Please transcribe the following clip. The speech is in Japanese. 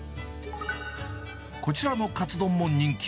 こちらのかつ丼も人気。